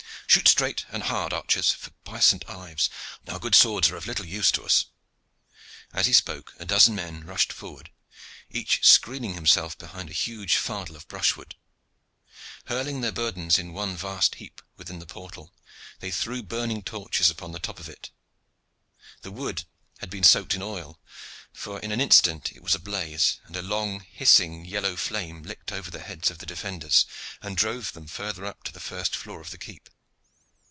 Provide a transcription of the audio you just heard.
Shoot straight and hard, archers; for, by St. Ives! our good swords are of little use to us." As he spoke, a dozen men rushed forward, each screening himself behind a huge fardel of brushwood. Hurling their burdens in one vast heap within the portal, they threw burning torches upon the top of it. The wood had been soaked in oil, for in an instant it was ablaze, and a long, hissing, yellow flame licked over the heads of the defenders, and drove them further up to the first floor of the keep.